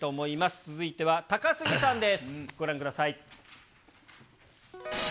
続いては高杉さんです。